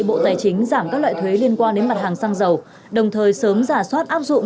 bộ tài chính giảm các loại thuế liên quan đến mặt hàng xăng dầu đồng thời sớm giả soát áp dụng